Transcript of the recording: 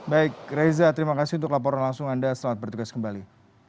baik reza terima kasih untuk laporan langsung anda selamat bertugas kembali